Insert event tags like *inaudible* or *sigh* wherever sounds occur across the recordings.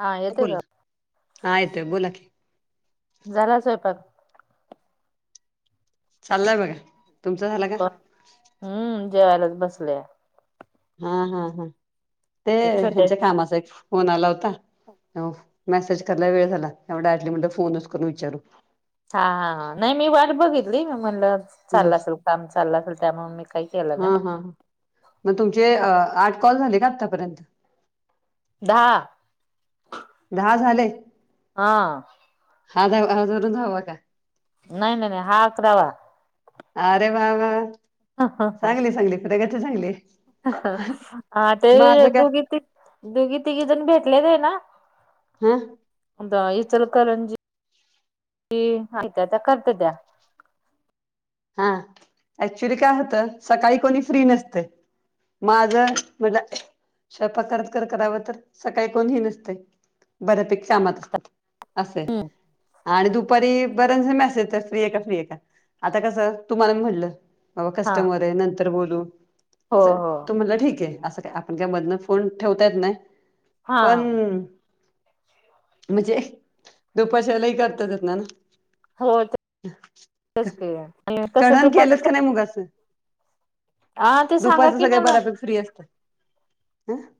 हा येतोय बोला का, हा येतोय बोला की झाला का स्वयंपाक? चाललंय बघा, तुमचं झालं का? हम्म, जेवायलाच बसलोया हा हा, हा ते ह्यंच्या कामाचा आठी एक फोन आला होता. मेसेज करायला वेळ झाला, त्यामुळं डायरेक्टली म्हःटल फोनच करून विचारू. हा, हा, हा नाही मी वाट बघितली मी म्हणलं चाललं असंल काम, चाललं असंल त्यामुळे मी काही केलं हा नाही. हा मग तुमचे आठ कॉल झाले का आत्तापर्यंत दहा, दहा झाले? हा, हा दा धरून दहावा का? नाही, नाही हा आकरावा. अरे वा- वा चांगली, चांगली प्रगती चांगलीये. अं, हं हा ते दोघी- ती, दोघी -तिघी जण भेटलेत आहे ना हा, कोणतं इचलकरंजी अन् त्या -त्या करत्या त्या. हा, ऍक्च्युली काय होतं सकाळी कोणी फ्री नसतं. माझं म्हटलं स्वयंपाक करता -करता करावं तर सकाळी कोणही नसतय. बऱ्यापेैकीा आमात असेल, आणि दुपारी बरेच मॅसेज येता तर फ्री ये का? फ्री ये का आता कसं तुम्हाला मी म्हणलं अं हा कस्टमर ये नंतर बोलू, हो असं हो तुम्ही म्हणला ठीक ये असं काय *unintelligible* फोन ठेवता येत नाही हा पण म्हणजे दुपारच्यालाही करतातेत ना हो तेच कि चढण केलंच का नाही मुगाची, अस हा ते सांगा दुपाचं की सगळ मला बऱ्यापेक्षा फ्री असते हं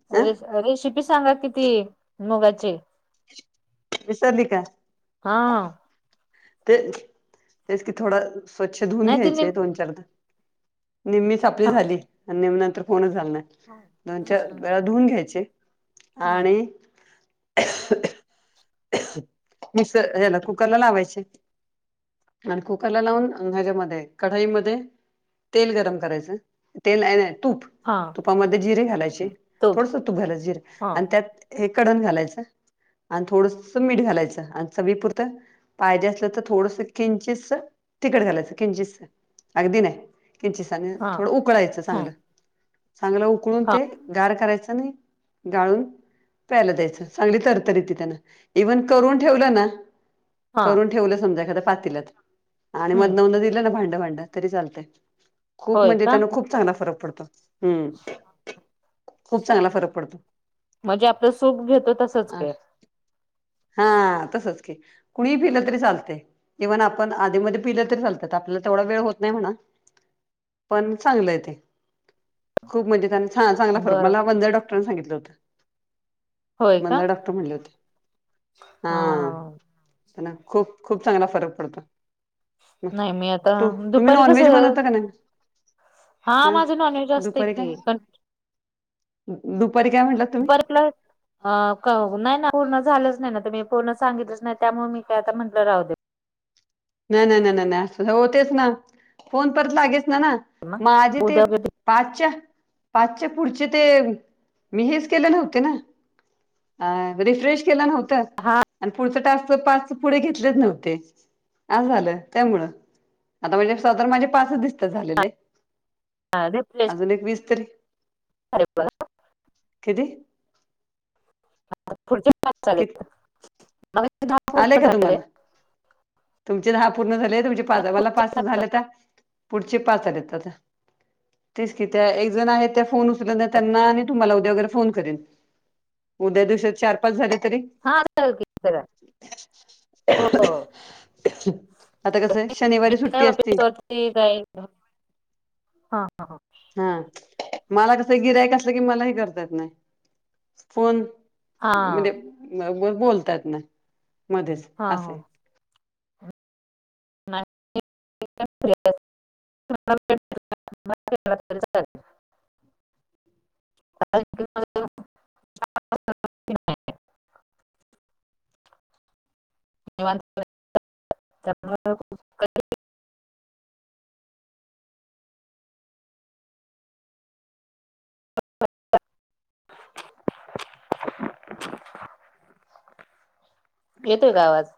रेशिपी सांगा कि ती मुगाची विकली का? हा, ते तेच की थैडं स्वच्छ धुऊून नाही ति नेम घ्यायचे दोन चार धा नेहमीच आपली हा झाली आणि नेहमी नंतर फोनच झाला नाय. हम्म दोनच्या हम्म वेळा धुऊून घ्यायचे हम्म आणि मिक्सला ह्याला कुकर ला लावायचे. आणि कुकरला लावून त्याचा मध्ये कढाईमध्ये तेल गरम करायचं तेल आहे नाही तूप हा तुपामध्ये जिरे घालायचे थोडस तूप घालायचे जिरे हा आणि त्यात हे कढण घालायचं आणि थोड मीठ घालायचं आणि चवी पुुरत पायज्या तर तर थोडस किंचस तिकट घालायचं किंचस अगदी नाही. किंचिसानी हा थोडं उकळायचं ह चांगलं चांगलं उकळून हा ते गार करायचा नाही गाळून प्यायला द्यायचं चांगली तरतरी ती त्यांना इव्हन करून ठेवलं ना हा करून ठेवलं समजा एखाद्या पातीीलत आणि हम्म मधन मध दिलं ना भांडं भांडं तरी चालतय खूप होय म्हणजे का त्यान खूप चांगला फरक पडतो हम् खूप चांगला फरक पडतो. म्हणजे आपलं सुप घेतो तसंच अ की हा तसच की कुणी पिलत तरी चालतय इव्हन आपण आधी पलं तरी चाल आपल्याला तेवडा वेळ होत नाही म्हणा पण चांगलंय ते खूप म्हणजे त्यांन हां चांगला फरक बर मला वंदेर डॉक्टर सांगितलं होतं होय का वंदर डॉक्टर डॉक्टर म्हणूनले होते हा त्यांन खूप खूप चांगला फरक पडतो. मग नाही मी आता तू तुम्ही दुपारी कस नॉनव्हेज बनवता का नाही हा माझ नॉनव्हेज असते दुपारी काय की दुपारी काय म्हटलात तुम्ही दुपारीला अ नाही ना पूर्ण झालंच नाही ना तर मी पूर्ण सांगितलंच नाही त्यामुळे मी काय आता म्हंटलं राहू दे नाही नाही नाही अस होतेच ना फोन परत लागेच ना म आज मग उद्या तेच पाचच्या पाचच्या पुढचे ते मी हेच केले नव्हते ना अ रिफ्रेश केलं नव्हतं हां आणि पुढचा टास्क पाच पुढे घेतलेच नव्हते आ झालं त्यामुळं आता म्हणजे साधारण माझे पाचच दिसतात झालेले. रिप्लेस अजून एक वीस तरी किती आता पुढचे पाच झालेतन मग येतील दाहा आले का तुम्हाला तुमचे दहा पूर्ण झाले तुमचे पाच मला पाच झाल्या त्या पुढचे पाच आलेत आता तेच की त्या एक जण आहेत त्या फोन उचल त्यांना आणि तुम्हाला उद्या वगैरे फोन करेन उद्या दिवसात चार पाच झाले तरी हा आता त्याला क्लिक करा हो आता कस आहे. शनिवारी सुट्टी असती. तर ते काय हा ह हा मला कसं गिराईक असलं की मलाही करतात न फोन हा म्हणजे बोलतात ना मध्येच हा असे हो आहे *unintelligible* *unintelligible* कारण की माझं *unintelligible* ह *unintelligible* येतोय का आवाज